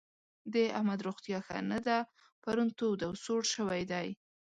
د احمد روغتيا ښه نه ده؛ پرون تود او سوړ شوی دی.